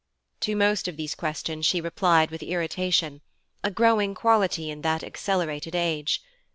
To most of these questions she replied with irritation a growing quality in that accelerated age.